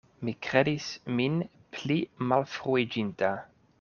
Mi kredis min pli malfruiĝinta.